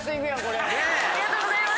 ありがとうございます。